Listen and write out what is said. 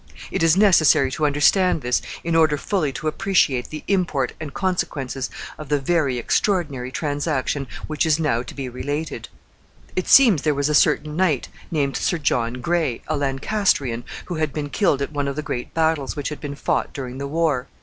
It is necessary to understand this, in order fully to appreciate the import and consequences of the very extraordinary transaction which is now to be related. It seems there was a certain knight named Sir John Gray, a Lancastrian, who had been killed at one of the great battles which had been fought during the war.